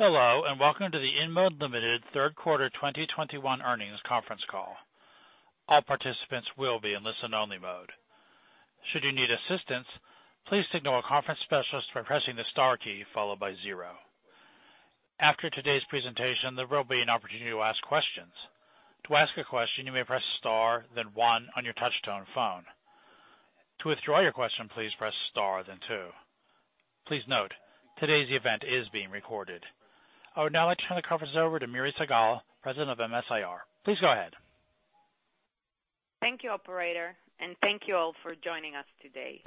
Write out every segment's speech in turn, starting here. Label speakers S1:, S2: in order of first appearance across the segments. S1: Hello, and welcome to the InMode Ltd. third quarter 2021 earnings conference call. All participants will be in listen-only mode. Should you need assistance, please signal a conference specialist by pressing the star key followed by zero. After today's presentation, there will be an opportunity to ask questions. To ask a question, you may press star, then one on your touchtone phone. To withdraw your question, please press star then two. Please note, today's event is being recorded. I would now like to turn the conference over to Miri Segal, President of MS-IR. Please go ahead.
S2: Thank you, operator, and thank you all for joining us today.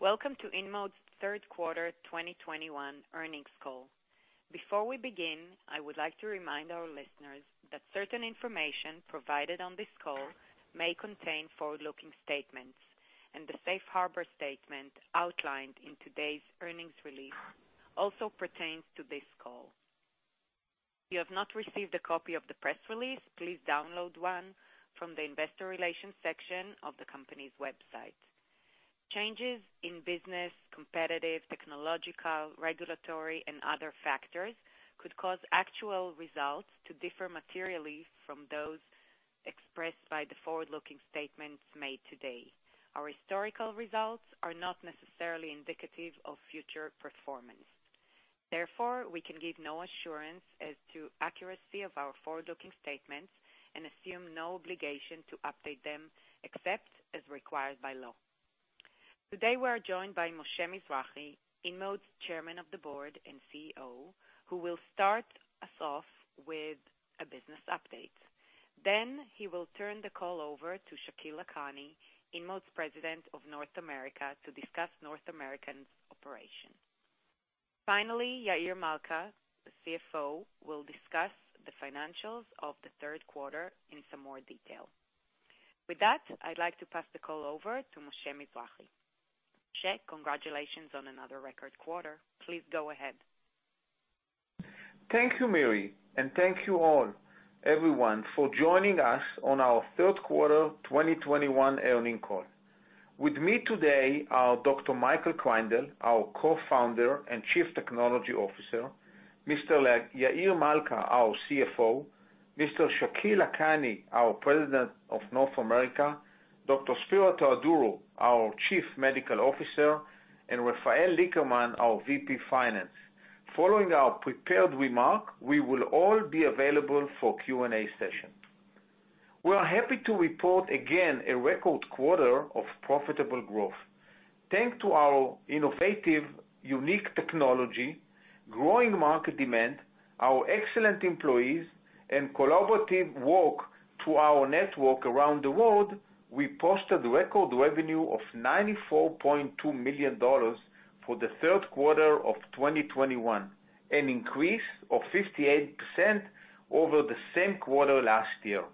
S2: Welcome to InMode's third quarter 2021 earnings call. Before we begin, I would like to remind our listeners that certain information provided on this call may contain forward-looking statements, and the safe harbor statement outlined in today's earnings release also pertains to this call. If you have not received a copy of the press release, please download one from the investor relations section of the company's website. Changes in business, competitive, technological, regulatory and other factors could cause actual results to differ materially from those expressed by the forward-looking statements made today. Our historical results are not necessarily indicative of future performance. Therefore, we can give no assurance as to accuracy of our forward-looking statements and assume no obligation to update them except as required by law. Today we are joined by Moshe Mizrahy, InMode's Chairman of the Board and CEO, who will start us off with a business update. He will turn the call over to Shakil Lakhani, InMode's President of North America, to discuss North America's operations. Finally, Yair Malca, the CFO, will discuss the financials of the third quarter in some more detail. With that, I'd like to pass the call over to Moshe Mizrahy. Moshe, congratulations on another record quarter. Please go ahead.
S3: Thank you, Miri, and thank you all, everyone for joining us on our third quarter 2021 earnings call. With me today are Dr. Michael Kreindel, our Co-founder and Chief Technology Officer, Mr. Yair Malca, our CFO, Mr. Shakil Lakhani, our President of North America, Dr. Spero Theodorou, our Chief Medical Officer, and Rafael Lickerman, our VP of Finance. Following our prepared remarks, we will all be available for Q&A session. We are happy to report again a record quarter of profitable growth. Thanks to our innovative, unique technology, growing market demand, our excellent employees and collaborative work to our network around the world, we posted record revenue of $94.2 million for the third quarter of 2021, an increase of 58% over the same quarter last year.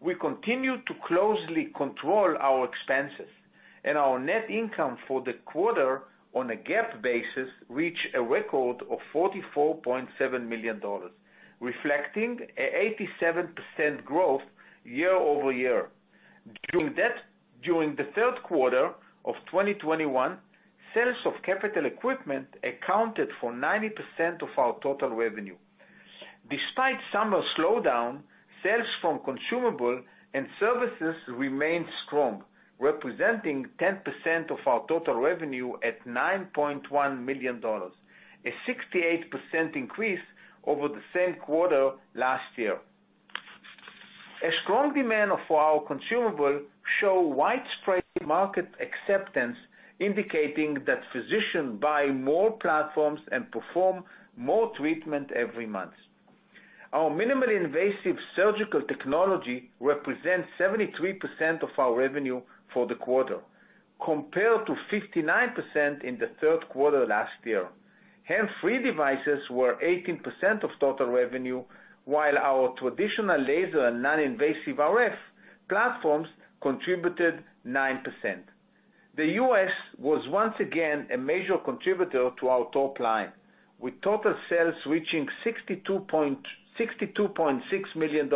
S3: We continue to closely control our expenses and our net income for the quarter on a GAAP basis reached a record of $44.7 million, reflecting an 87% growth year-over-year. During the third quarter of 2021, sales of capital equipment accounted for 90% of our total revenue. Despite the summer slowdown, sales from consumables and services remained strong, representing 10% of our total revenue at $9.1 million, a 68% increase over the same quarter last year. A strong demand for our consumables shows widespread market acceptance, indicating that physicians buy more platforms and perform more treatments every month. Our minimally invasive surgical technology represents 73% of our revenue for the quarter, compared to 59% in the third quarter last year. Hands-free devices were 18% of total revenue, while our traditional laser and non-invasive RF platforms contributed 9%. The U.S. was once again a major contributor to our top line, with total sales reaching $62.6 million,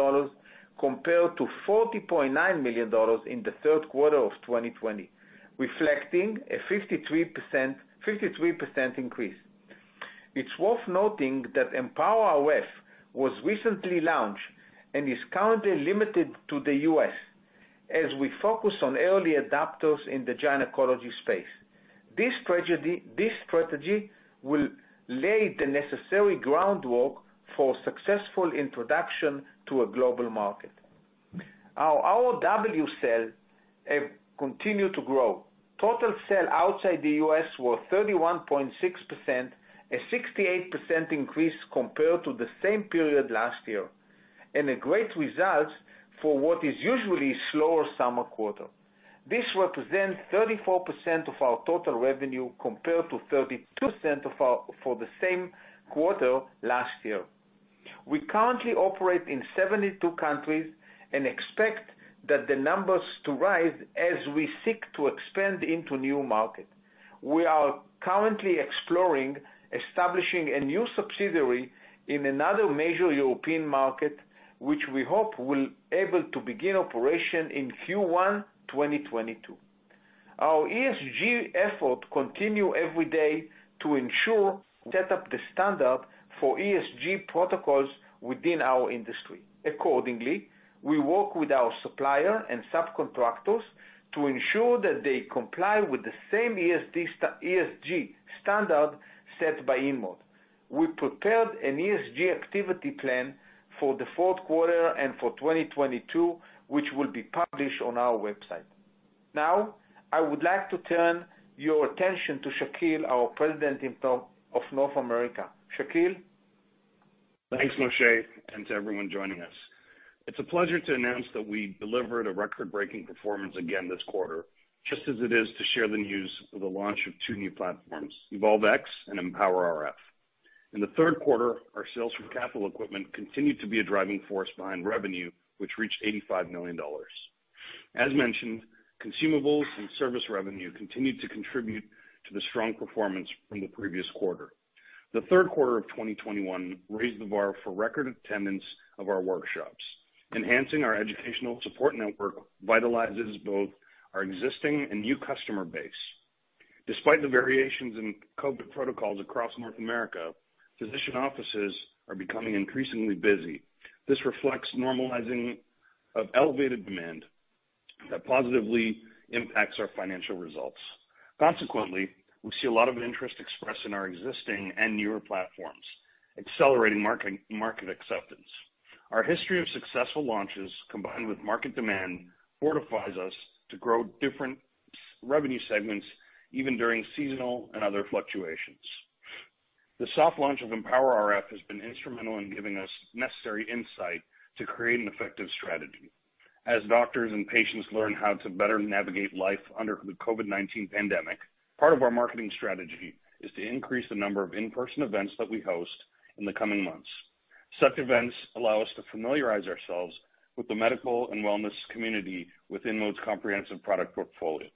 S3: compared to $40.9 million in the third quarter of 2020, reflecting a 53% increase. It's worth noting that EmpowerRF was recently launched and is currently limited to the U.S. as we focus on early adopters in the gynecology space. This strategy will lay the necessary groundwork for successful introduction to a global market. Our OUS sales continue to grow. Total sales outside the U.S. were 31.6%, a 68% increase compared to the same period last year, and a great result for what is usually a slower summer quarter. This represents 34% of our total revenue compared to 32% for the same quarter last year. We currently operate in 72 countries and expect that the number to rise as we seek to expand into new markets. We are currently exploring establishing a new subsidiary in another major European market, which we hope will be able to begin operation in Q1 2022. Our ESG efforts continue every day to ensure we set up the standard for ESG protocols within our industry. Accordingly, we work with our suppliers and subcontractors to ensure that they comply with the same ESG standard set by InMode. We prepared an ESG activity plan for the fourth quarter and for 2022, which will be published on our website. Now, I would like to turn your attention to Shakil, our President of North America. Shakil?
S4: Thanks, Moshe, and to everyone joining us. It's a pleasure to announce that we delivered a record-breaking performance again this quarter, just as it is to share the news of the launch of two new platforms, EvolveX and EmpowerRF. In the third quarter, our sales from capital equipment continued to be a driving force behind revenue, which reached $85 million. As mentioned, consumables and service revenue continued to contribute to the strong performance from the previous quarter. The third quarter of 2021 raised the bar for record attendance of our workshops. Enhancing our educational support network vitalizes both our existing and new customer base. Despite the variations in COVID protocols across North America, physician offices are becoming increasingly busy. This reflects normalization of elevated demand that positively impacts our financial results. Consequently, we see a lot of interest expressed in our existing and newer platforms, accelerating market acceptance. Our history of successful launches, combined with market demand, fortifies us to grow different revenue segments even during seasonal and other fluctuations. The soft launch of EmpowerRF has been instrumental in giving us the necessary insight to create an effective strategy. As doctors and patients learn how to better navigate life under the COVID-19 pandemic, part of our marketing strategy is to increase the number of in-person events that we host in the coming months. Such events allow us to familiarize ourselves with the medical and wellness community with InMode's comprehensive product portfolio.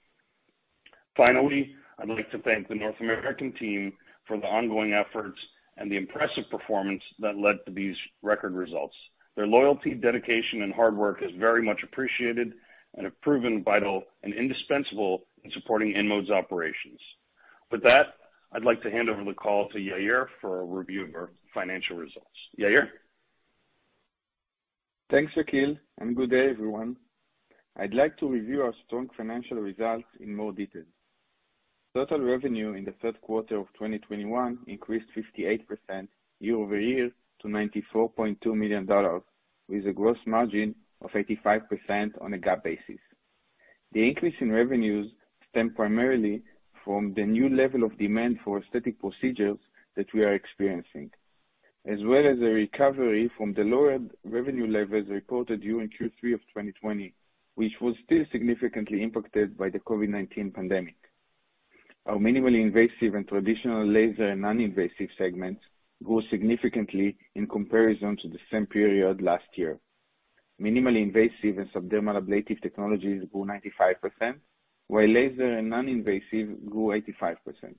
S4: Finally, I'd like to thank the North American team for the ongoing efforts and the impressive performance that led to these record results. Their loyalty, dedication, and hard work is very much appreciated and have proven vital and indispensable in supporting InMode's operations. With that, I'd like to hand over the call to Yair for a review of our financial results. Yair?
S5: Thanks, Shakil, and good day, everyone. I'd like to review our strong financial results in more detail. Total revenue in the third quarter of 2021 increased 58% year-over-year to $94.2 million with a gross margin of 85% on a GAAP basis. The increase in revenues stemmed primarily from the new level of demand for aesthetic procedures that we are experiencing, as well as a recovery from the lower revenue levels reported during Q3 2020, which was still significantly impacted by the COVID-19 pandemic. Our minimally invasive and traditional laser and non-invasive segments grew significantly in comparison to the same period last year. Minimally invasive and subdermal ablative technologies grew 95%, while laser and non-invasive grew 85%.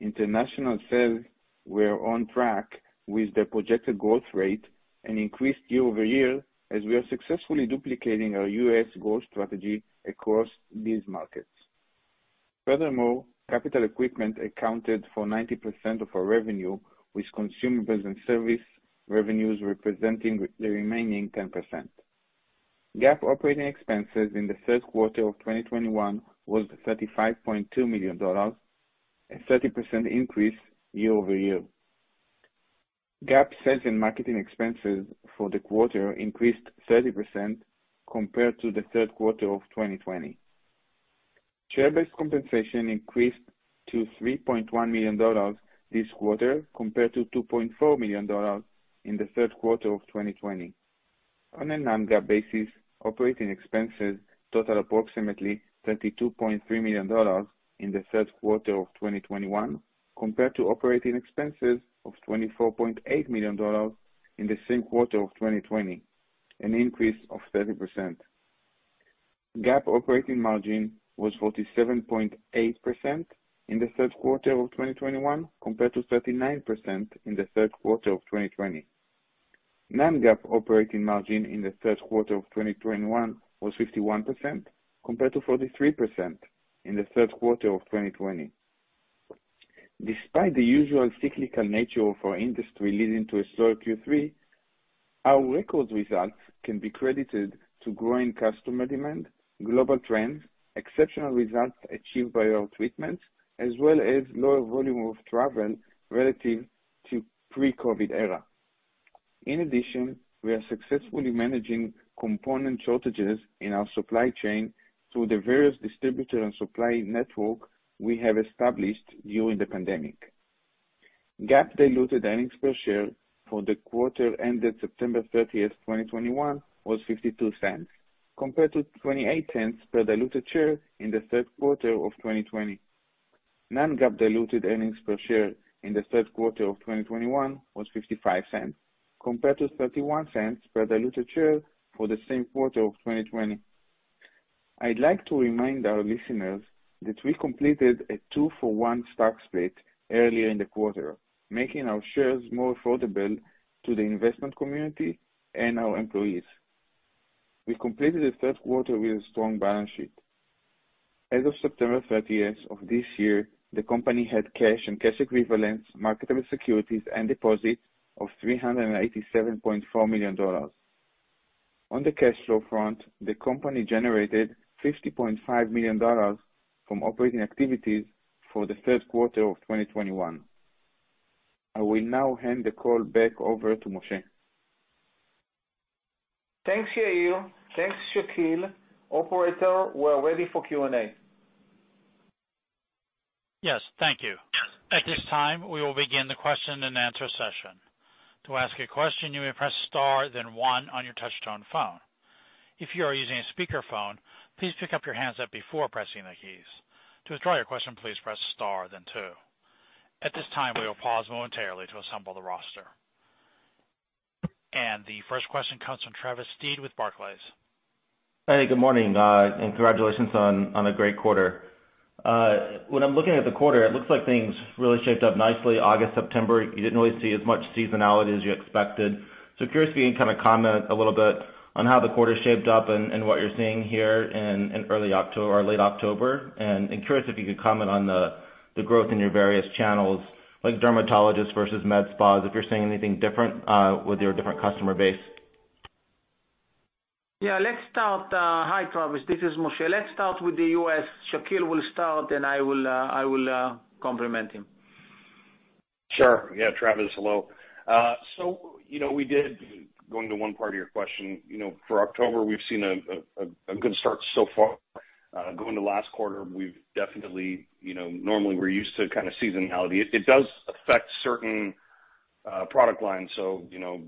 S5: International sales were on track with the projected growth rate and increased year-over-year as we are successfully duplicating our U.S. growth strategy across these markets. Furthermore, capital equipment accounted for 90% of our revenue, with consumables and service revenues representing the remaining 10%. GAAP operating expenses in the third quarter of 2021 was $35.2 million, a 30% increase year-over-year. GAAP sales and marketing expenses for the quarter increased 30% compared to the third quarter of 2020. Share-based compensation increased to $3.1 million this quarter compared to $2.4 million in the third quarter of 2020. On a non-GAAP basis, operating expenses totaled approximately $32.3 million in the third quarter of 2021 compared to operating expenses of $24.8 million in the same quarter of 2020, an increase of 30%. GAAP operating margin was 47.8% in the third quarter of 2021 compared to 39% in the third quarter of 2020. Non-GAAP operating margin in the third quarter of 2021 was 51% compared to 43% in the third quarter of 2020. Despite the usual cyclical nature of our industry leading to a slower Q3, our record results can be credited to growing customer demand, global trends, exceptional results achieved by our treatments, as well as lower volume of travel relative to pre-COVID era. In addition, we are successfully managing component shortages in our supply chain through the various distributor and supply network we have established during the pandemic. GAAP diluted earnings per share for the quarter ended September 30, 2021 was 52 cents compared to 28 cents per diluted share in the third quarter of 2020. Non-GAAP diluted earnings per share in the third quarter of 2021 was 55 cents compared to 31 cents per diluted share for the same quarter of 2020. I'd like to remind our listeners that we completed a two-for-one stock split earlier in the quarter, making our shares more affordable to the investment community and our employees. We completed the third quarter with a strong balance sheet. As of September 30 of this year, the company had cash and cash equivalents, marketable securities and deposits of $387.4 million. On the cash flow front, the company generated $50.5 million from operating activities for the third quarter of 2021. I will now hand the call back over to Moshe.
S3: Thanks, Yair. Thanks, Shakil. Operator, we're ready for Q&A.
S1: Yes. Thank you. At this time, we will begin the question and answer session. To ask a question, you may press star then one on your touchtone phone. If you are using a speaker phone, please pick up your handset before pressing the keys. To withdraw your question, please press star then two. At this time, we will pause momentarily to assemble the roster. The first question comes from Travis Steed with Barclays.
S6: Hey, good morning, and congratulations on a great quarter. When I'm looking at the quarter, it looks like things really shaped up nicely. August, September, you didn't really see as much seasonality as you expected. Curious if you can kind of comment a little bit on how the quarter shaped up and what you're seeing here in early or late October. Curious if you could comment on the growth in your various channels, like dermatologists versus med spas, if you're seeing anything different with your different customer base.
S3: Yeah, let's start. Hi, Travis, this is Moshe. Let's start with the U.S. Shakil will start, and I will complement him.
S4: Sure, yeah. Travis, hello. You know, we did, going to one part of your question, you know, for October, we've seen a good start so far. Going to last quarter, we've definitely, you know, normally we're used to kind of seasonality. It does affect certain product lines, so, you know,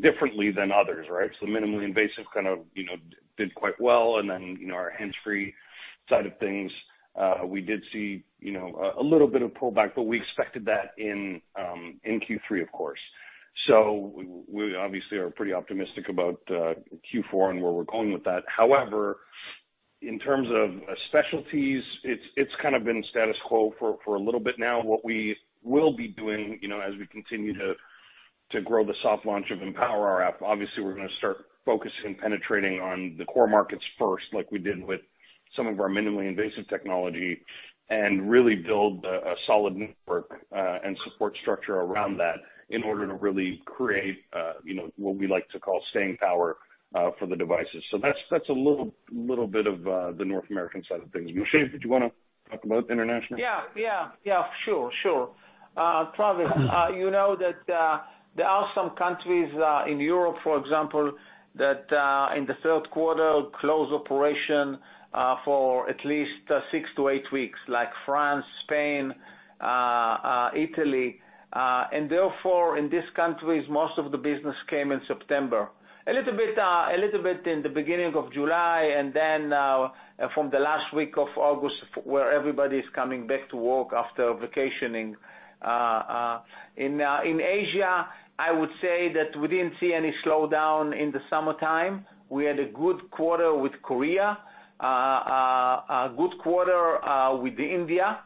S4: differently than others, right? The minimally invasive kind of, you know, did quite well, and then, you know, our hands-free side of things, we did see, you know, a little bit of pullback, but we expected that in Q3, of course. We obviously are pretty optimistic about Q4 and where we're going with that. However, in terms of specialties, it's kind of been status quo for a little bit now. What we will be doing, you know, as we continue to grow the soft launch of EmpowerRF, our app, obviously, we're gonna start focusing on penetrating the core markets first, like we did with some of our minimally invasive technology, and really build a solid network and support structure around that in order to really create, you know, what we like to call staying power for the devices. That's a little bit of the North American side of things. Moshe, did you wanna talk about international?
S3: Yeah. Sure. Travis, you know that there are some countries in Europe, for example, that in the third quarter closed operation for at least 6-8 weeks, like France, Spain, Italy. Therefore, in these countries, most of the business came in September. A little bit in the beginning of July, and then from the last week of August where everybody is coming back to work after vacationing. In Asia, I would say that we didn't see any slowdown in the summertime. We had a good quarter with Korea. A good quarter with India,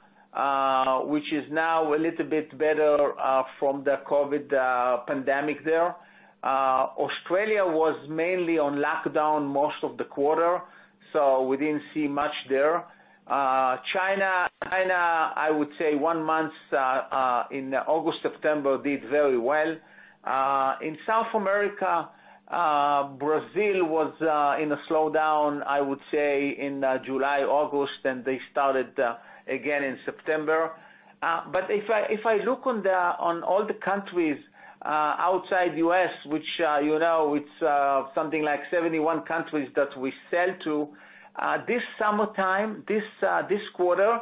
S3: which is now a little bit better from the COVID pandemic there. Australia was mainly on lockdown most of the quarter, so we didn't see much there. China, I would say one month in August, September, did very well. In South America, Brazil was in a slowdown, I would say, in July, August, and they started again in September. If I look on all the countries outside U.S., which you know, it's something like 71 countries that we sell to, this summertime this quarter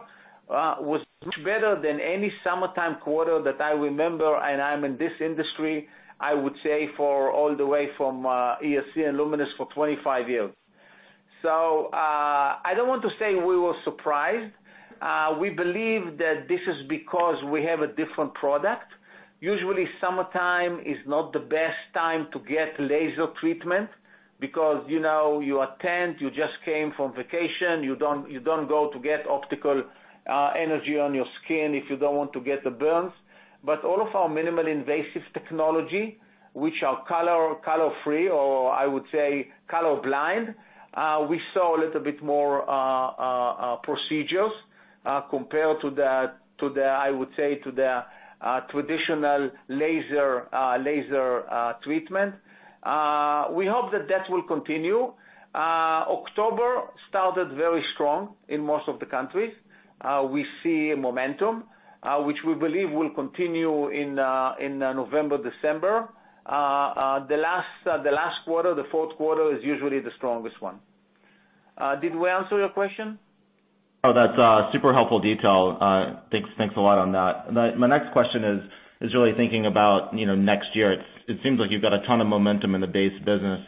S3: was much better than any summertime quarter that I remember, and I'm in this industry I would say for all the way from ESC and Lumenis for 25 years. I don't want to say we were surprised. We believe that this is because we have a different product. Usually, summertime is not the best time to get laser treatment because, you know, you are tanned, you just came from vacation. You don't go to get optical energy on your skin if you don't want to get the burns. But all of our minimally invasive technology, which are color free, or I would say color blind, we saw a little bit more procedures compared to the traditional laser treatment. We hope that will continue. October started very strong in most of the countries. We see a momentum which we believe will continue in November, December. The last quarter, the fourth quarter is usually the strongest one. Did we answer your question?
S6: Oh, that's super helpful detail. Thanks a lot on that. My next question is really thinking about next year. It seems like you've got a ton of momentum in the base business.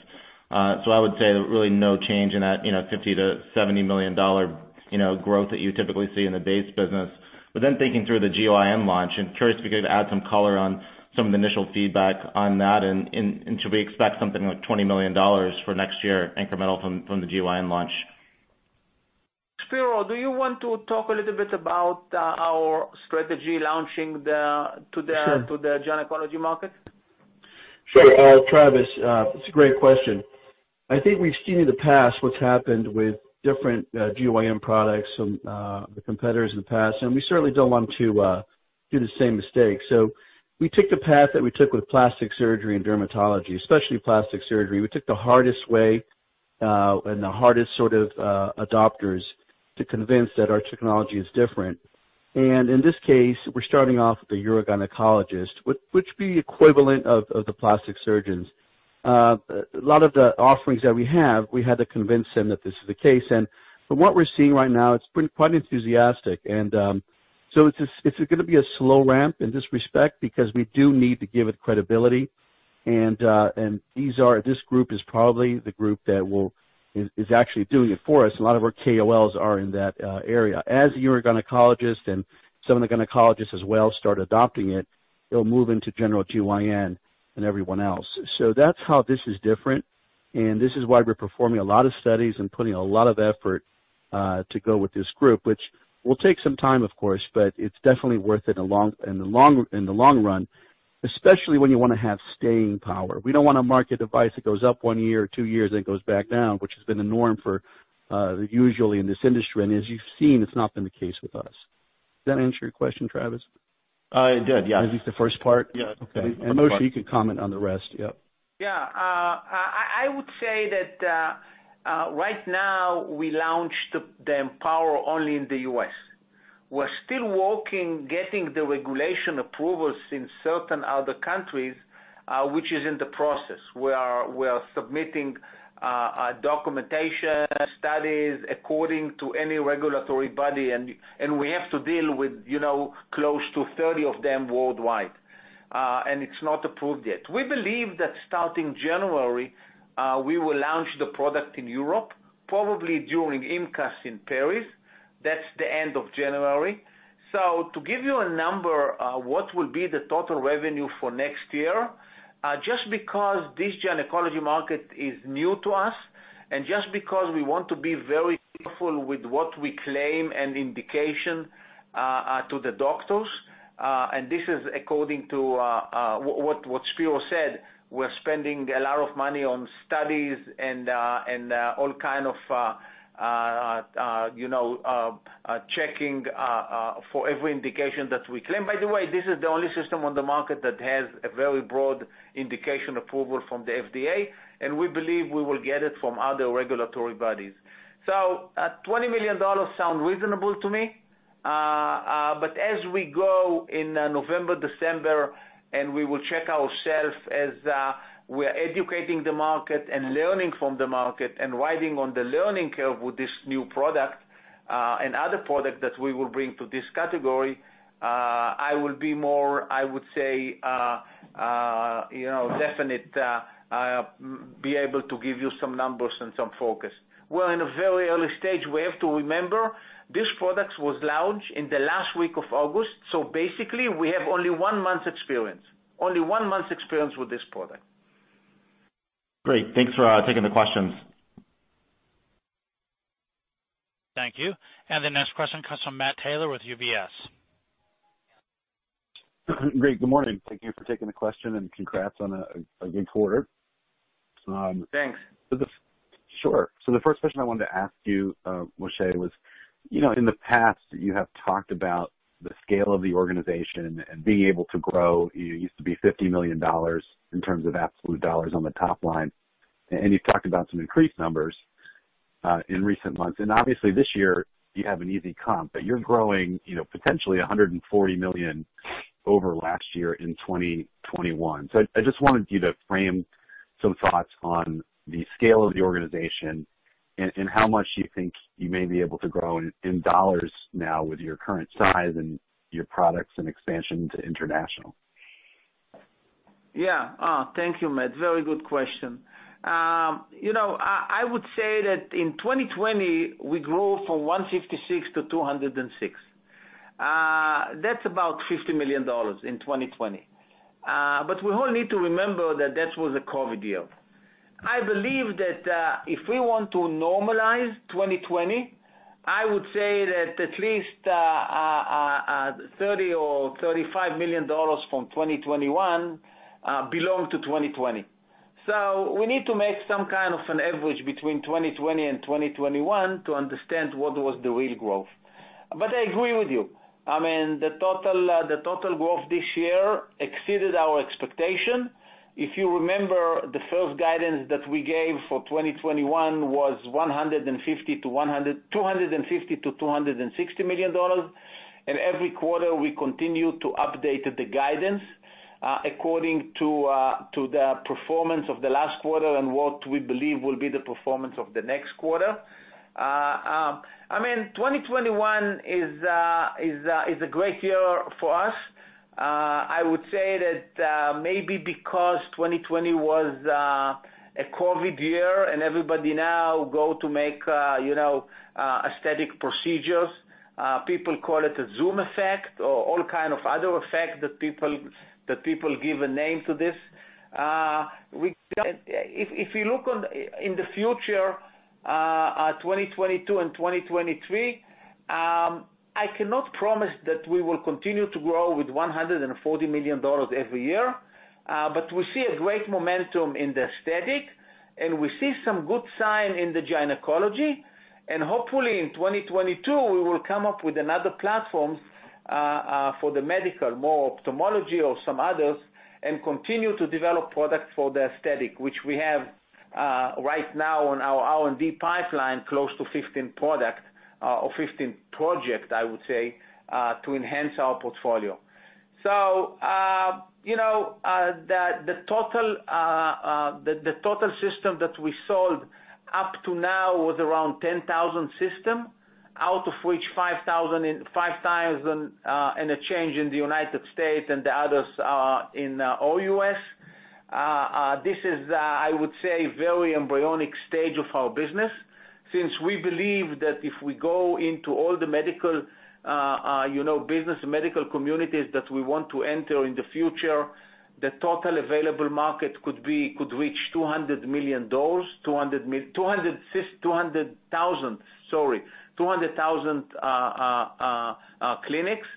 S6: So I would say really no change in that, $50 million-$70 million growth that you typically see in the base business. Thinking through the GYN launch, I'm curious if you could add some color on some of the initial feedback on that and should we expect something like $20 million for next year incremental from the GYN launch?
S3: Spero, do you want to talk a little bit about our strategy launching the to the-
S7: Sure.
S3: To the gynecology market?
S7: Sure. Travis, it's a great question. I think we've seen in the past what's happened with different GYN products from the competitors in the past, and we certainly don't want to make the same mistake. We took the path that we took with plastic surgery and dermatology, especially plastic surgery. We took the hardest way, and the hardest sort of adopters to convince that our technology is different. In this case, we're starting off with a urogynecologists, which would be equivalent of the plastic surgeons. A lot of the offerings that we have, we had to convince them that this is the case. From what we're seeing right now, it's pretty quite enthusiastic, so it's gonna be a slow ramp in this respect because we do need to give it credibility. This group is probably the group that is actually doing it for us. A lot of our KOLs are in that area. As the urogynecologist and some of the gynecologists as well start adopting it'll move into general GYN and everyone else. That's how this is different, and this is why we're performing a lot of studies and putting a lot of effort to go with this group, which will take some time of course, but it's definitely worth it in the long run, especially when you wanna have staying power. We don't wanna market a device that goes up one year or two years and then goes back down, which has been the norm for usually in this industry. As you've seen, it's not been the case with us. Does that answer your question, Travis?
S6: It did, yeah.
S7: At least the first part?
S6: Yeah. Okay. Moshe, you can comment on the rest. Yep.
S3: Yeah. I would say that right now we launched the EmpowerRF only in the U.S. We're still working, getting the regulatory approvals in certain other countries, which is in the process. We are submitting documentation studies according to any regulatory body and we have to deal with, you know, close to 30 of them worldwide. And it's not approved yet. We believe that starting January we will launch the product in Europe, probably during IMCAS in Paris. That's the end of January. To give you a number of what will be the total revenue for next year, just because this gynecology market is new to us, and just because we want to be very careful with what we claim and indication to the doctors, and this is according to what Spero said, we're spending a lot of money on studies and all kind of you know checking for every indication that we claim. By the way, this is the only system on the market that has a very broad indication approval from the FDA, and we believe we will get it from other regulatory bodies. $20 million sounds reasonable to me. As we go in November, December, and we will check ourself as we're educating the market and learning from the market and riding on the learning curve with this new product and other product that we will bring to this category, I will be more, I would say, you know, definite, be able to give you some numbers and some focus. We're in a very early stage. We have to remember this product was launched in the last week of August, so basically we have only one month experience with this product.
S6: Great. Thanks for taking the questions.
S1: Thank you. The next question comes from Matt Taylor with UBS.
S8: Great. Good morning. Thank you for taking the question and congrats on a good quarter.
S3: Thanks.
S8: Sure. The first question I wanted to ask you, Moshe, was, you know, in the past you have talked about the scale of the organization and being able to grow. You used to be $50 million in terms of absolute dollars on the top line. And you've talked about some increased numbers in recent months, and obviously this year you have an easy comp, but you're growing, you know, potentially $140 million over last year in 2021. I just wanted you to frame some thoughts on the scale of the organization and how much you think you may be able to grow in dollars now with your current size and your products and expansion to international.
S3: Yeah. Thank you, Matt. Very good question. You know, I would say that in 2020 we grew from $156 million to $206 million. That's about $50 million in 2020. We all need to remember that was a COVID year. I believe that if we want to normalize 2020, I would say that at least $30 million or $35 million from 2021 belong to 2020. We need to make some kind of an average between 2020 and 2021 to understand what was the real growth. I agree with you. I mean, the total growth this year exceeded our expectation. If you remember, the first guidance that we gave for 2021 was $250 million-$260 million. Every quarter we continue to update the guidance according to to the performance of the last quarter and what we believe will be the performance of the next quarter. I mean, 2021 is a great year for us. I would say that maybe because 2020 was a COVID year and everybody now go to make you know aesthetic procedures. People call it the Zoom effect or all kind of other effect that people give a name to this. If you look in the future, 2022 and 2023, I cannot promise that we will continue to grow with $140 million every year. We see a great momentum in the aesthetic, and we see some good sign in the gynecology. Hopefully, in 2022, we will come up with another platform for the medical, more ophthalmology or some others, and continue to develop products for the aesthetic, which we have right now on our R&D pipeline, close to 15 products or 15 projects, I would say, to enhance our portfolio. The total systems that we sold up to now was around 10,000 systems, out of which 5,000 and a change in the United States and the others are in OUS. This is, I would say, a very embryonic stage of our business. We believe that if we go into all the medical business medical communities that we want to enter in the future, the total available market could reach 200,000 clinics.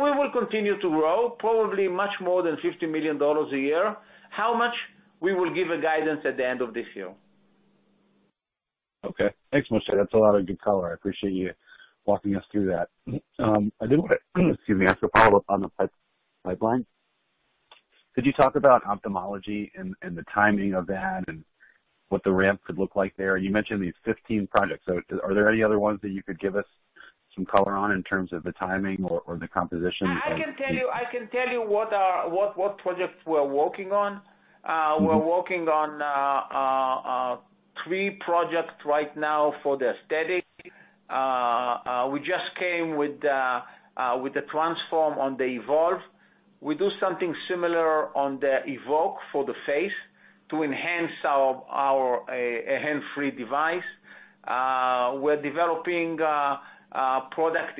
S3: We will continue to grow, probably much more than $50 million a year. How much? We will give a guidance at the end of this year.
S8: Okay. Thanks, Moshe. That's a lot of good color. I appreciate you walking us through that. I did wanna, excuse me, ask a follow-up on the pipeline. Could you talk about ophthalmology and the timing of that and what the ramp could look like there? You mentioned these 15 projects. Are there any other ones that you could give us some color on in terms of the timing or the composition of-
S3: I can tell you what projects we're working on. We're working on three projects right now for the aesthetic. We just came with the Transform on the Evolve. We do something similar on the Evoke for the face to enhance our hands-free device. We're developing product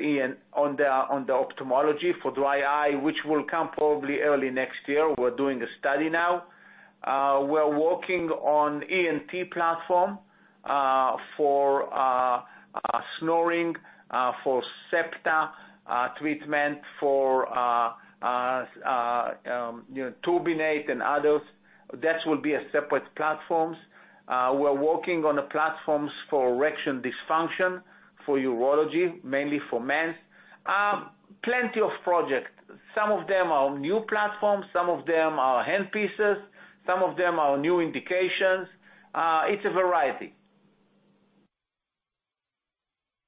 S3: on the ophthalmology for dry eye, which will come probably early next year. We're doing a study now. We're working on ENT platform for snoring for septal treatment for you know turbinate and others. That will be a separate platforms. We're working on the platforms for erectile dysfunction, for urology, mainly for men. Plenty of projects. Some of them are new platforms, some of them are handpieces, some of them are new indications. It's a variety.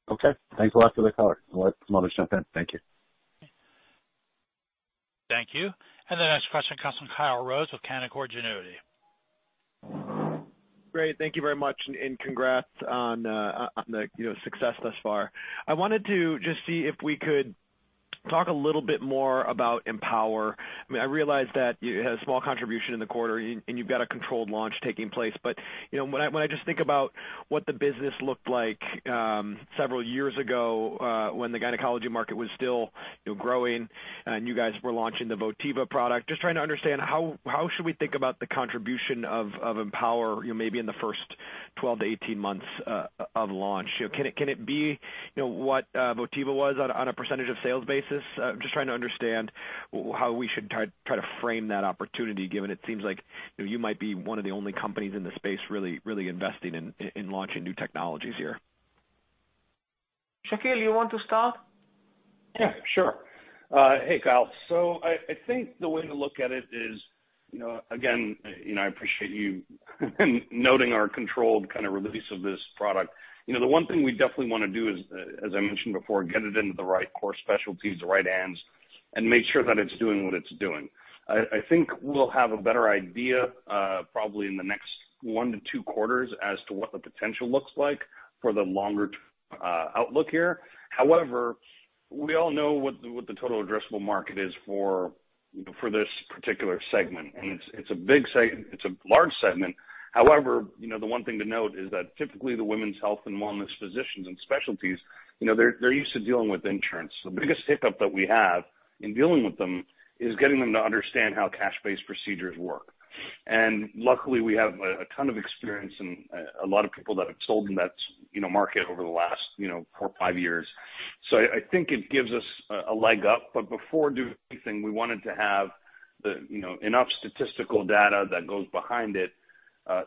S8: Okay. Thanks a lot for the color. I'll let someone else jump in. Thank you.
S1: Thank you. The next question comes from Kyle Rose with Canaccord Genuity.
S9: Great. Thank you very much and congrats on the success thus far. I wanted to just see if we could talk a little bit more about EmpowerRF. I mean, I realize that you had a small contribution in the quarter and you've got a controlled launch taking place. You know, when I just think about what the business looked like several years ago, when the gynecology market was still you know, growing and you guys were launching the Votiva product, just trying to understand how should we think about the contribution of EmpowerRF you know, maybe in the first 12-18 months of launch. You know, can it be you know, what Votiva was on a percentage of sales basis? Just trying to understand how we should try to frame that opportunity, given it seems like, you know, you might be one of the only companies in this space really investing in launching new technologies here.
S3: Shakil, you want to start?
S4: Yeah, sure. Hey, Kyle. So I think the way to look at it is, you know, again, you know, I appreciate you noting our controlled kind of release of this product. You know, the one thing we definitely wanna do is, as I mentioned before, get it into the right core specialties, the right hands, and make sure that it's doing what it's doing. I think we'll have a better idea, probably in the next one to two quarters as to what the potential looks like for the longer outlook here. However, we all know what the total addressable market is for this particular segment. It's a large segment. However, you know, the one thing to note is that typically the women's health and wellness physicians and specialties, you know, they're used to dealing with insurance. The biggest hiccup that we have in dealing with them is getting them to understand how cash-based procedures work. Luckily, we have a ton of experience and a lot of people that have sold in that, you know, market over the last, you know, four or five years. I think it gives us a leg up. Before doing anything, we wanted to have the, you know, enough statistical data that goes behind it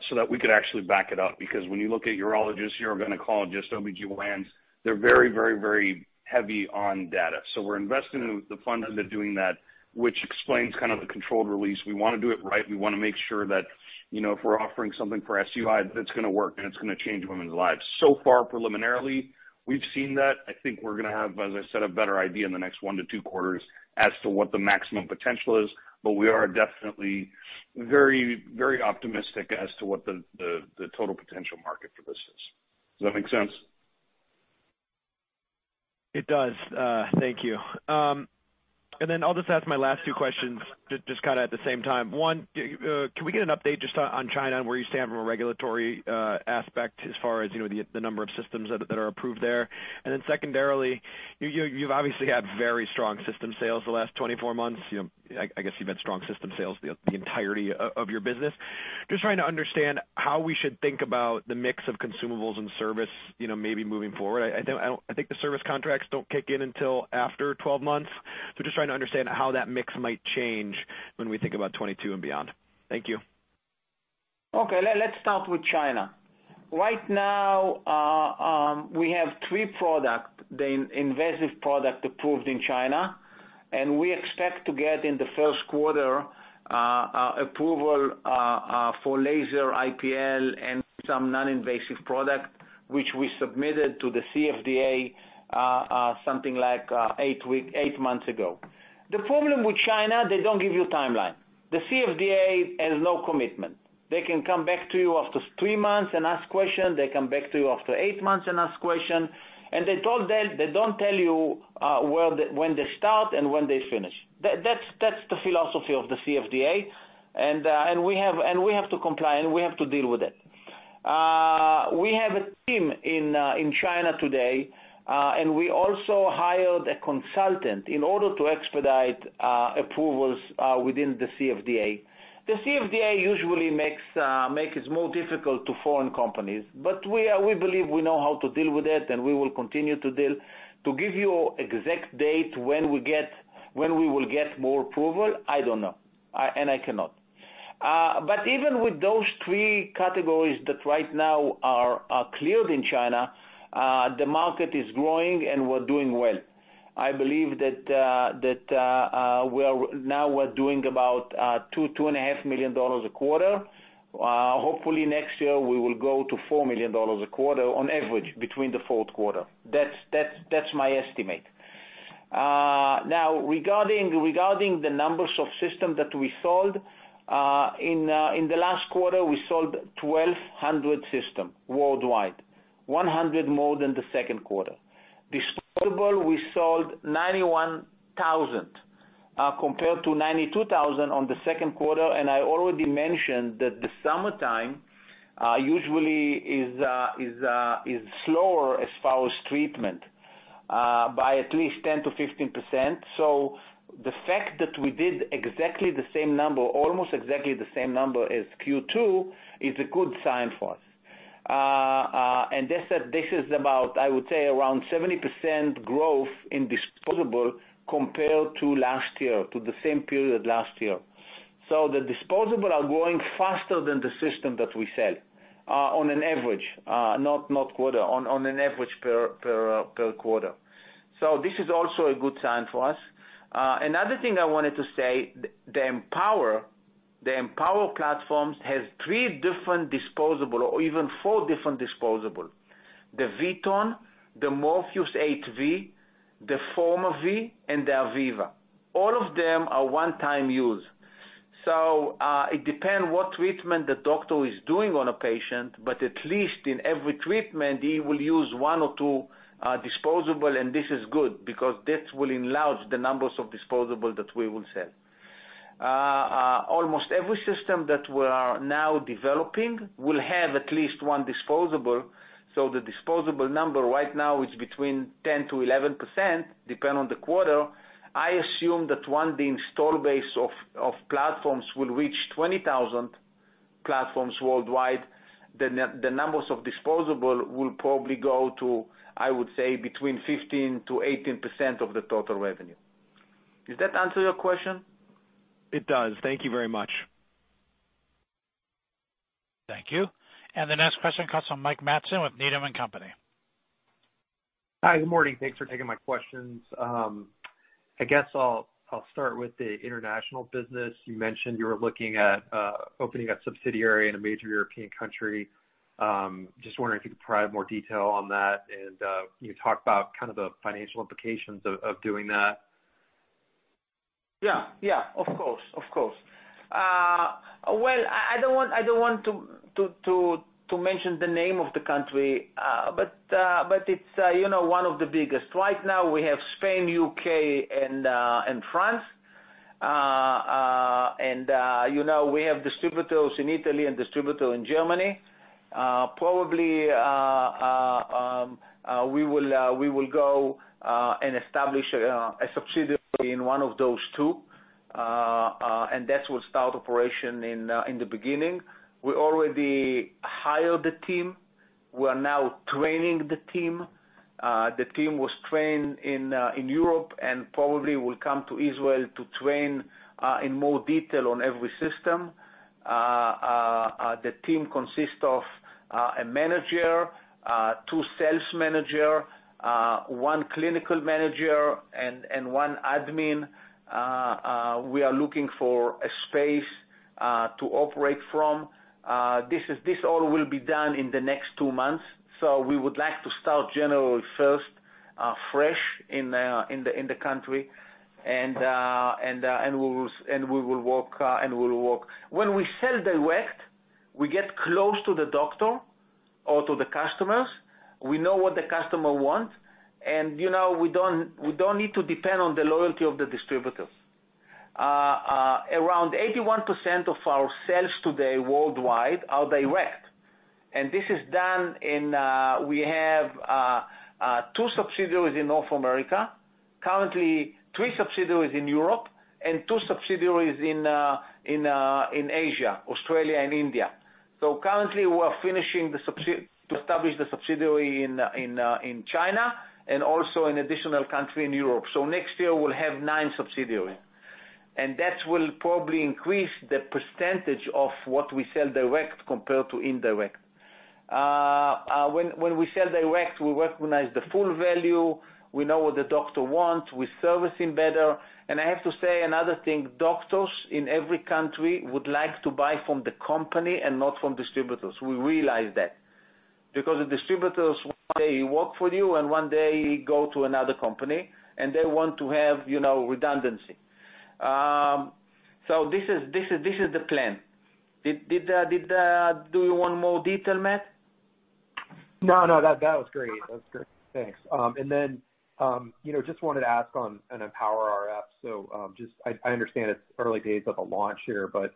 S4: so that we could actually back it up. Because when you look at urologists, urogynecologists, OB-GYNs, they're very heavy on data. We're investing in the fund and doing that, which explains kind of the controlled release. We wanna do it right. We wanna make sure that, you know, if we're offering something for SUI, that it's gonna work and it's gonna change women's lives. So far, preliminarily, we've seen that. I think we're gonna have, as I said, a better idea in the next 1 to 2 quarters as to what the maximum potential is, but we are definitely very, very optimistic as to what the total potential market for this is. Does that make sense?
S9: It does. Thank you. I'll just ask my last two questions just kind of at the same time. One, can we get an update just on China and where you stand from a regulatory aspect as far as you know the number of systems that are approved there? Secondarily, you've obviously had very strong system sales the last 24 months. You know, I guess you've had strong system sales the entirety of your business. Just trying to understand how we should think about the mix of consumables and service, you know, maybe moving forward. I think the service contracts don't kick in until after 12 months, so just trying to understand how that mix might change when we think about 2022 and beyond. Thank you.
S3: Okay. Let's start with China. Right now, we have three products, the invasive products approved in China, and we expect to get in the first quarter approval for laser IPL and some non-invasive products, which we submitted to the CFDA something like eight months ago. The problem with China is they don't give you a timeline. The CFDA has no commitment. They can come back to you after three months and ask questions. They come back to you after eight months and ask questions, and they told that they don't tell you where, when they start and when they finish. That's the philosophy of the CFDA, and we have to comply, and we have to deal with it. We have a team in China today, and we also hired a consultant in order to expedite approvals within the CFDA. The CFDA usually makes it more difficult to foreign companies, but we believe we know how to deal with it, and we will continue to deal. To give you exact date when we will get more approval, I don't know, and I cannot. Even with those three categories that right now are cleared in China, the market is growing, and we're doing well. I believe that now we're doing about $2.5 million a quarter. Hopefully next year we will go to $4 million a quarter on average between the fourth quarter. That's my estimate. Now regarding the number of systems that we sold in the last quarter, we sold 1,200 systems worldwide, 100 more than the second quarter. Disposables, we sold 91,000 compared to 92,000 in the second quarter, and I already mentioned that the summertime usually is slower as far as treatment by at least 10%-15%. The fact that we did exactly the same number, almost exactly the same number as Q2 is a good sign for us. This is about, I would say, around 70% growth in disposables compared to last year, to the same period last year. The disposables are growing faster than the systems that we sell on an average per quarter. This is also a good sign for us. Another thing I wanted to say, the EmpowerRF platform has three different disposables or even four different disposables. The VTone, the Morpheus8 V, the FormaV, and the Aviva. All of them are one-time use. It depends what treatment the doctor is doing on a patient, but at least in every treatment he will use one or two disposables and this is good because that will enlarge the numbers of disposables that we will sell. Almost every system that we are now developing will have at least one disposable, so the disposable number right now is between 10%-11%, depending on the quarter. I assume that once the installed base of platforms will reach 20,000 platforms worldwide, the numbers of disposable will probably go to, I would say, between 15%-18% of the total revenue. Does that answer your question?
S9: It does. Thank you very much.
S1: Thank you. The next question comes from Mike Matson with Needham & Company.
S10: Hi, good morning. Thanks for taking my questions. I guess I'll start with the international business. You mentioned you were looking at opening a subsidiary in a major European country. Just wondering if you could provide more detail on that and can you talk about kind of the financial implications of doing that?
S3: Yeah. Of course. Well, I don't want to mention the name of the country, but it's you know one of the biggest. Right now we have Spain, U.K. and France. You know, we have distributors in Italy and distributor in Germany. Probably we will go and establish a subsidiary in one of those two and that will start operation in the beginning. We already hired the team. We are now training the team. The team was trained in Europe and probably will come to Israel to train in more detail on every system. The team consists of a manager, two sales managers, one clinical manager and one admin. We are looking for a space to operate from. This all will be done in the next two months, so we would like to start January 1st fresh in the country. When we sell direct, we get close to the doctor or to the customers. We know what the customer wants, and you know, we don't need to depend on the loyalty of the distributors. Around 81% of our sales today worldwide are direct. We have two subsidiaries in North America, currently three subsidiaries in Europe and two subsidiaries in Asia, Australia and India. Currently, we are to establish the subsidiary in China and also an additional country in Europe. Next year we'll have nine subsidiaries. That will probably increase the percentage of what we sell direct compared to indirect. When we sell direct, we recognize the full value, we know what the doctor wants, we service him better. I have to say another thing, doctors in every country would like to buy from the company and not from distributors. We realize that. Because the distributors, one day he work for you, and one day he go to another company, and they want to have, you know, redundancy. This is the plan. Do you want more detail, Matt?
S10: No. That was great. That's good. Thanks. You know, just wanted to ask on EmpowerRF. I understand it's early days of a launch here, but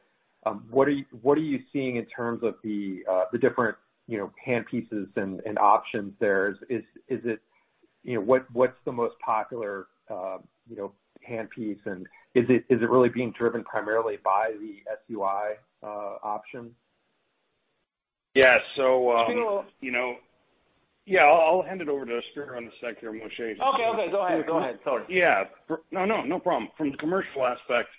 S10: what are you seeing in terms of the different, you know, hand pieces and options there? Is it you know, what's the most popular, you know, hand piece? Is it really being driven primarily by the SUI option?
S3: Yeah.
S10: Spero?
S3: You know. Yeah. I'll hand it over to Spero in a sec here, and we'll share-
S10: Okay. Go ahead. Sorry.
S4: Yeah. No problem. From the commercial aspect,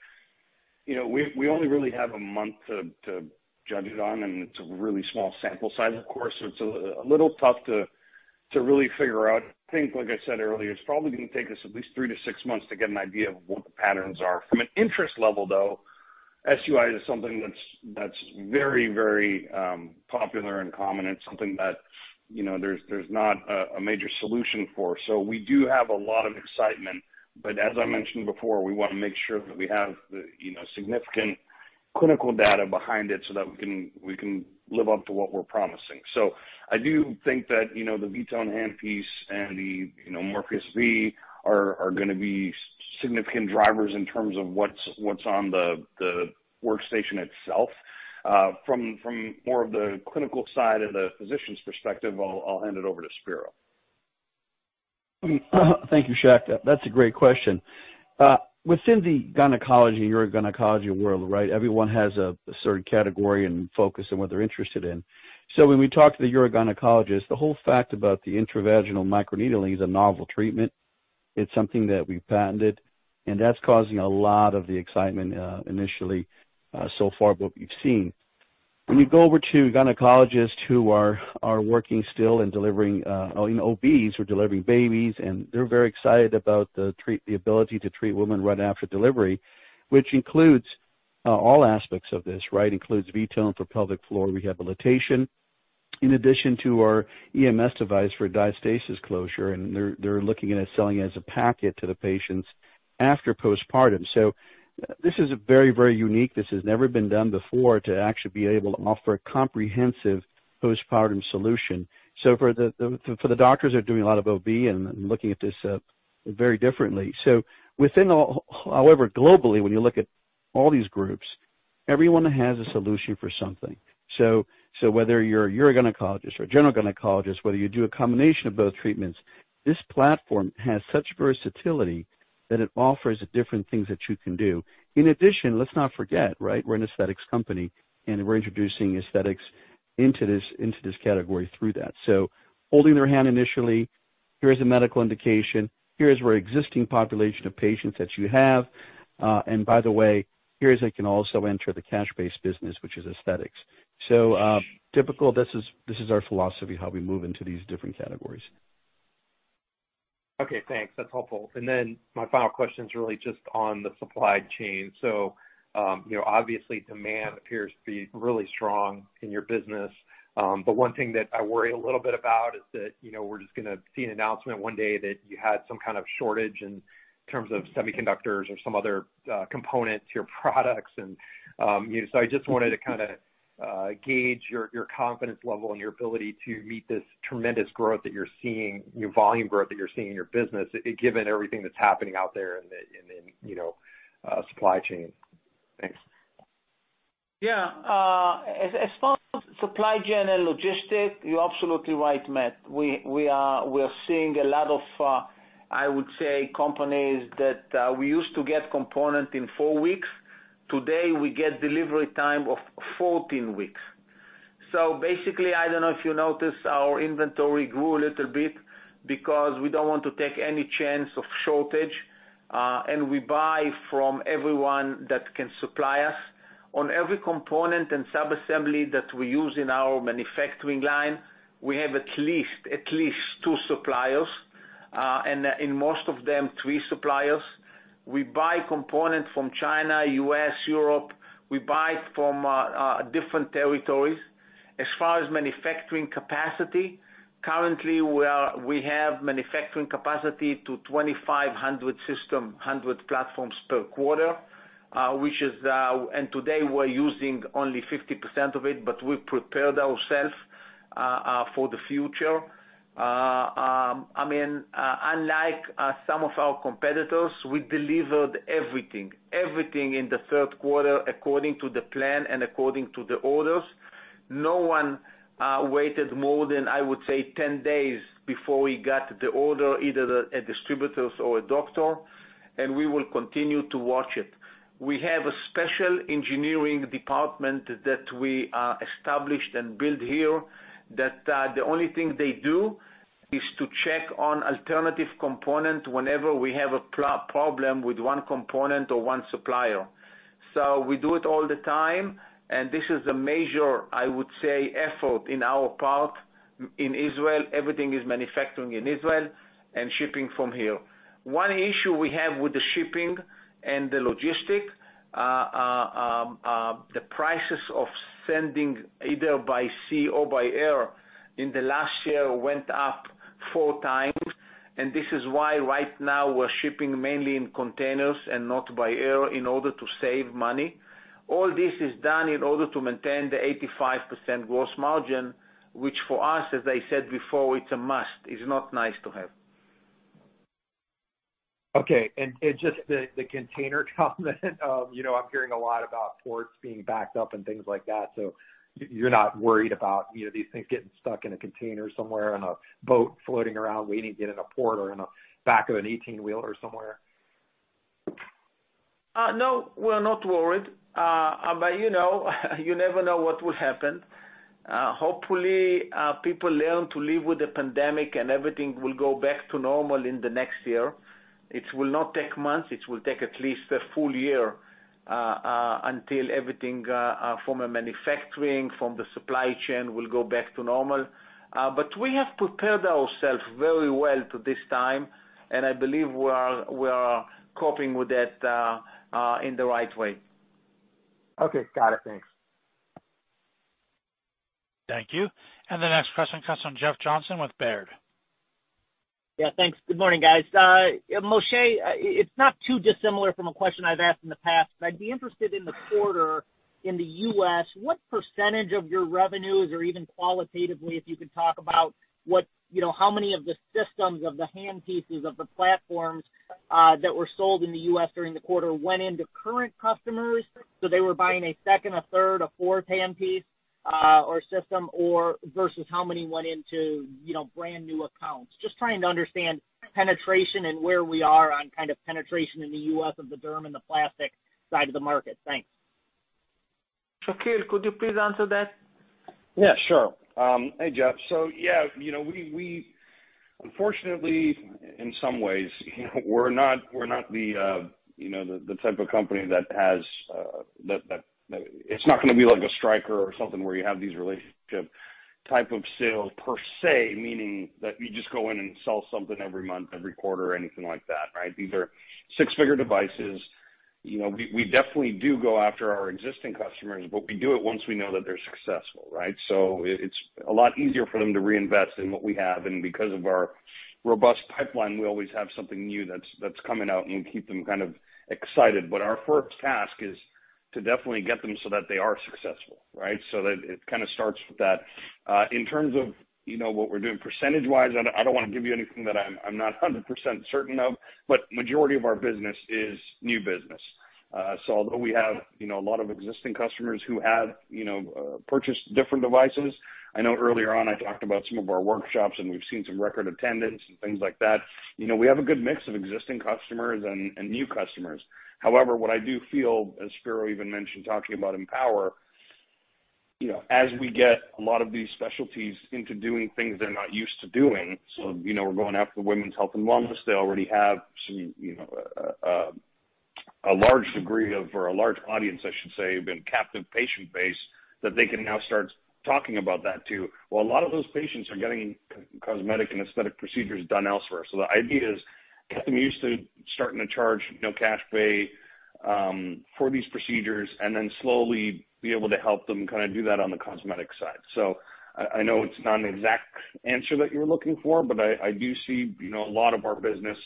S4: you know, we only really have a month to judge it on, and it's a really small sample size, of course. It's a little tough to really figure out. I think, like I said earlier, it's probably gonna take us at least 3 to 6 months to get an idea of what the patterns are. From an interest level, though, SUI is something that's very popular and common. It's something that, you know, there's not a major solution for. We do have a lot of excitement. As I mentioned before, we wanna make sure that we have the, you know, significant clinical data behind it so that we can live up to what we're promising. I do think that, you know, the VTone hand piece and the, you know, Morpheus8 V are gonna be significant drivers in terms of what's on the workstation itself. From more of the clinical side and the physician's perspective, I'll hand it over to Spero.
S7: Thank you, Shakil. That's a great question. Within the gynecology, urogynecology world, right? Everyone has a certain category and focus on what they're interested in. So when we talk to the urogynecologist, the whole fact about the intravaginal microneedling is a novel treatment. It's something that we've patented, and that's causing a lot of the excitement, initially, so far what we've seen. When you go over to gynecologists who are working still and delivering, you know, OBs who are delivering babies, and they're very excited about the ability to treat women right after delivery, which includes all aspects of this, right? Includes VTone for pelvic floor rehabilitation, in addition to our EMS device for diastasis closure, and they're looking at it selling as a package to the patients after postpartum. So this is very, very unique. This has never been done before to actually be able to offer a comprehensive postpartum solution. For the doctors doing a lot of OB and looking at this very differently. However, globally, when you look at all these groups, everyone has a solution for something. Whether you're a urogynecologist or a general gynecologist, whether you do a combination of both treatments, this platform has such versatility that it offers different things that you can do. In addition, let's not forget, right, we're an aesthetics company, and we're introducing aesthetics into this category through that. Holding their hand initially, here is a medical indication, here is your existing population of patients that you have, and by the way, here is they can also enter the cash-based business, which is aesthetics. This is our philosophy, how we move into these different categories.
S10: Okay, thanks. That's helpful. My final question is really just on the supply chain. You know, obviously demand appears to be really strong in your business. One thing that I worry a little bit about is that, you know, we're just gonna see an announcement one day that you had some kind of shortage in terms of semiconductors or some other component to your products. You know, I just wanted to kinda gauge your confidence level and your ability to meet this tremendous growth that you're seeing, you know, volume growth that you're seeing in your business, given everything that's happening out there in the supply chain. Thanks.
S3: Yeah. As far as supply chain and logistics, you're absolutely right, Mike Matson. We are seeing a lot of, I would say, companies that we used to get components in 4 weeks. Today, we get delivery time of 14 weeks. Basically, I don't know if you noticed our inventory grew a little bit because we don't want to take any chance of shortage, and we buy from everyone that can supply us. On every component and sub-assembly that we use in our manufacturing line, we have at least two suppliers, and most of them, three suppliers. We buy components from China, U.S., Europe. We buy from different territories. As far as manufacturing capacity, currently we have manufacturing capacity to 2,500 systems, 100 platforms per quarter, and today we're using only 50% of it, but we've prepared ourselves for the future. I mean, unlike some of our competitors, we delivered everything in the third quarter according to the plan and according to the orders. No one waited more than, I would say, 10 days before we got the order, either a distributor or a doctor, and we will continue to watch it. We have a special engineering department that we established and built here that the only thing they do is to check on alternative components whenever we have a problem with one component or one supplier. We do it all the time, and this is a major, I would say, effort on our part. In Israel, everything is manufacturing in Israel and shipping from here. One issue we have with the shipping and the logistics, the prices of sending either by sea or by air in the last year went up four times, and this is why right now we're shipping mainly in containers and not by air in order to save money. All this is done in order to maintain the 85% gross margin, which for us, as I said before, it's a must. It's not nice to have.
S10: Okay. Just the container comment, you know, I'm hearing a lot about ports being backed up and things like that, so you're not worried about, you know, these things getting stuck in a container somewhere on a boat floating around, waiting to get in a port or in the back of an 18-wheeler somewhere?
S3: No, We're not worried. You know, you never know what will happen. Hopefully, people learn to live with the pandemic, and everything will go back to normal in the next year. It will not take months. It will take at least a full year until everything from a manufacturing, from the supply chain will go back to normal. We have prepared ourselves very well to this time, and I believe we are coping with that in the right way.
S10: Okay. Got it. Thanks.
S1: Thank you. The next question comes from Jeff Johnson with Baird.
S11: Thanks. Good morning, guys. Moshe, it's not too dissimilar from a question I've asked in the past. I'd be interested in the quarter in the U.S., what percentage of your revenues or even qualitatively, if you could talk about what, you know, how many of the systems, of the handpieces, of the platforms, that were sold in the U.S. during the quarter went into current customers, so they were buying a second, a third, a fourth handpiece, or system, or versus how many went into, you know, brand-new accounts. Just trying to understand penetration and where we are on kind of penetration in the U.S. of the derm and the plastic side of the market. Thanks.
S3: Shakil, could you please answer that?
S4: Yeah, sure. Hey, Jeff. Yeah, you know, we unfortunately, in some ways, you know, we're not the type of company that has. It's not gonna be like a Stryker or something where you have these relationship type of sales per se, meaning that we just go in and sell something every month, every quarter or anything like that, right? These are six-figure devices. You know, we definitely do go after our existing customers, but we do it once we know that they're successful, right? It's a lot easier for them to reinvest in what we have. Because of our robust pipeline, we always have something new that's coming out, and we keep them kind of excited. Our first task is to definitely get them so that they are successful, right? That it kinda starts with that. In terms of, you know, what we're doing percentage-wise, I don't wanna give you anything that I'm not 100% certain of, but majority of our business is new business. Although we have, you know, a lot of existing customers who have, you know, purchased different devices, I know earlier on I talked about some of our workshops, and we've seen some record attendance and things like that. You know, we have a good mix of existing customers and new customers. However, what I do feel, as Spero even mentioned talking about EmpowerRF, you know, as we get a lot of these specialties into doing things they're not used to doing, we're going after the women's health and wellness. They already have some, you know, a large audience, I should say, a captive patient base that they can now start talking about that too. Well, a lot of those patients are getting cosmetic and aesthetic procedures done elsewhere. The idea is to get them used to starting to charge, you know, cash pay, for these procedures and then slowly be able to help them kinda do that on the cosmetic side. I know it's not an exact answer that you were looking for, but I do see, you know, a lot of our business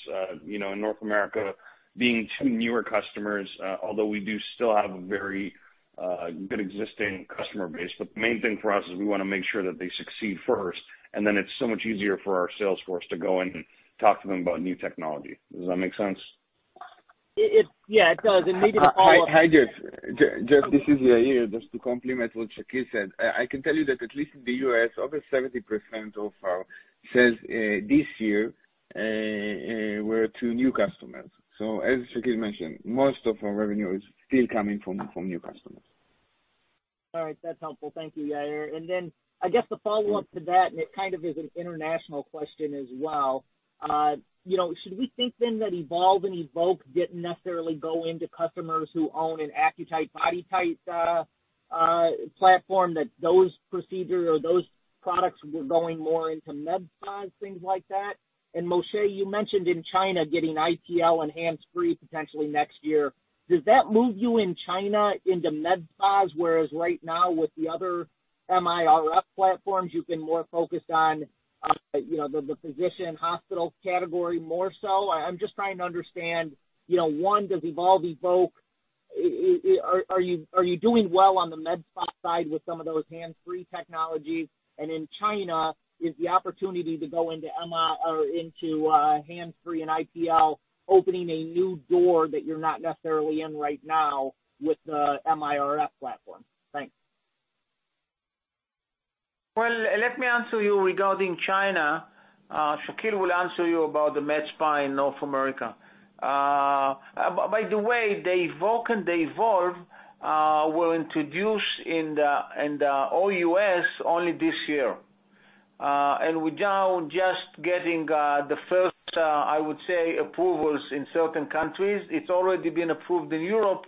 S4: in North America being to newer customers, although we do still have a very good existing customer base. The main thing for us is we wanna make sure that they succeed first, and then it's so much easier for our sales force to go in and talk to them about new technology. Does that make sense?
S11: Yeah, it does. Maybe to follow up.
S5: Hi, Jeff. Jeff, this is Yair. Just to complement what Shakil said, I can tell you that at least in the U.S., over 70% of our sales were to new customers. As Shakil mentioned, most of our revenue is still coming from new customers.
S11: All right. That's helpful. Thank you, Yair. I guess the follow-up to that, and it kind of is an international question as well. You know, should we think then that Evolve and Evoke didn't necessarily go into customers who own an AccuTite, BodyTite platform, that those procedures or those products were going more into med spas, things like that? Moshe, you mentioned in China getting IPL and hands-free potentially next year. Does that move you in China into med spas, whereas right now with the other RF platforms, you've been more focused on, you know, the physician hospital category more so? I'm just trying to understand, you know, one, does Evolve, Evoke—are you doing well on the med spa side with some of those hands-free technologies? In China, is the opportunity to go into hands-free and IPL opening a new door that you're not necessarily in right now with the RF platform? Thanks.
S3: Well, let me answer you regarding China. Shakil will answer you about the med spa in North America. By the way, the Evoke and the Evolve were introduced in the all U.S. only this year. We're now just getting the first, I would say, approvals in certain countries. It's already been approved in Europe,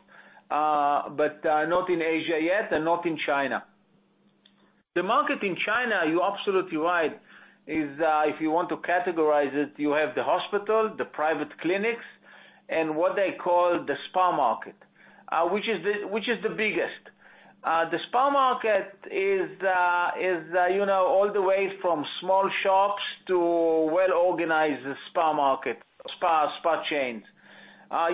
S3: but not in Asia yet and not in China. The market in China, you're absolutely right, is if you want to categorize it, you have the hospital, the private clinics, and what they call the spa market, which is the biggest. The spa market is the, you know, all the way from small shops to well-organized spa market, spa chains.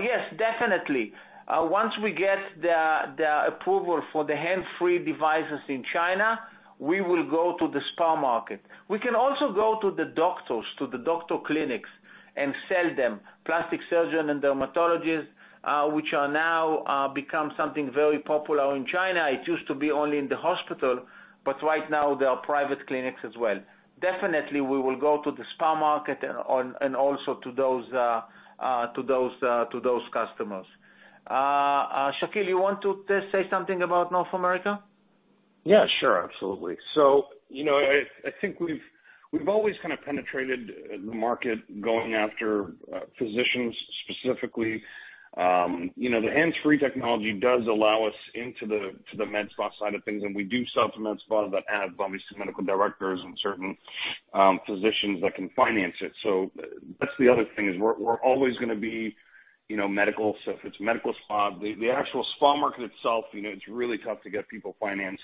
S3: Yes, definitely. Once we get the approval for the hands-free devices in China, we will go to the spa market. We can also go to the doctors, to the doctor clinics and sell them, plastic surgeon and dermatologists, which are now become something very popular in China. It used to be only in the hospital, but right now there are private clinics as well. Definitely, we will go to the spa market and also to those customers. Shakil, you want to say something about North America?
S4: Yeah, sure. Absolutely. You know, I think we've always kind of penetrated the market going after physicians specifically. You know, the hands-free technology does allow us into the med spa side of things, and we do sell to med spas that have obviously medical directors and certain physicians that can finance it. That's the other thing, is we're always gonna be, you know, medical. If it's medical spa, the actual spa market itself, you know, it's really tough to get people financed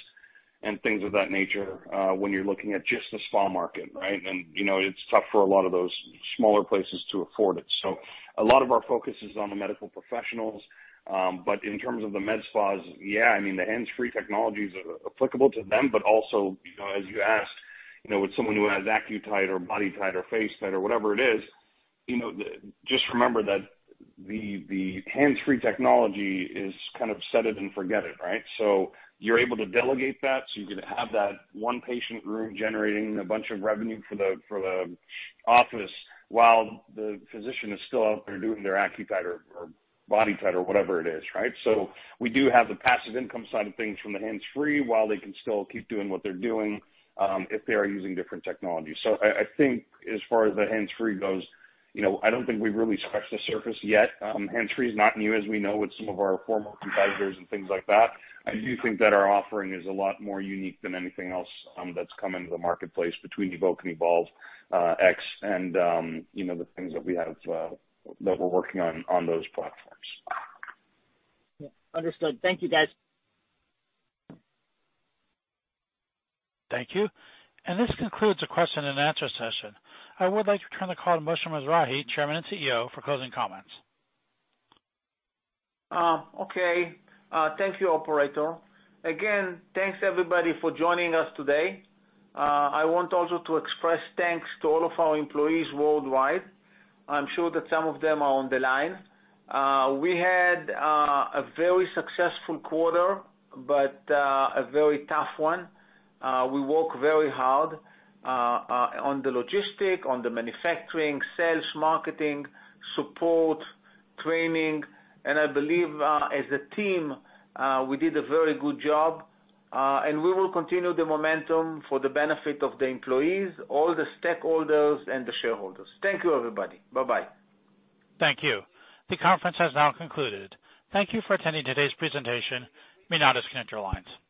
S4: and things of that nature when you're looking at just the spa market, right? You know, it's tough for a lot of those smaller places to afford it. A lot of our focus is on the medical professionals. In terms of the med spas, yeah, I mean, the hands-free technologies are applicable to them, but also, you know, as you asked, you know, with someone who has AccuTite or BodyTite or FaceTite or whatever it is, you know, Just remember that the hands-free technology is kind of set it and forget it, right? You're able to delegate that, so you can have that one patient room generating a bunch of revenue for the office while the physician is still out there doing their AccuTite or BodyTite or whatever it is, right? We do have the passive income side of things from the hands-free while they can still keep doing what they're doing, if they are using different technologies. I think as far as the hands-free goes, you know, I don't think we've really scratched the surface yet. Hands-free is not new, as we know, with some of our former competitors and things like that. I do think that our offering is a lot more unique than anything else that's come into the marketplace between Evoke and EvolveX, you know, the things that we have that we're working on those platforms.
S11: Yeah. Understood. Thank you, guys.
S1: Thank you. This concludes the question and answer session. I would like to turn the call to Moshe Mizrahy, Chairman and CEO, for closing comments.
S3: Okay. Thank you, operator. Again, thanks everybody for joining us today. I want also to express thanks to all of our employees worldwide. I'm sure that some of them are on the line. We had a very successful quarter, but a very tough one. We work very hard on the logistics, on the manufacturing, sales, marketing, support, training, and I believe, as a team, we did a very good job. We will continue the momentum for the benefit of the employees, all the stakeholders and the shareholders. Thank you, everybody. Bye-bye.
S1: Thank you. The conference has now concluded. Thank you for attending today's presentation. You may now disconnect your lines.